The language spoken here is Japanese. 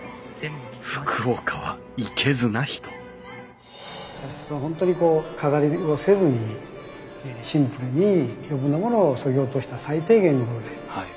福岡はいけずな人茶室は本当にこう飾りをせずにシンプルに余分なものをそぎ落とした最低限なもので。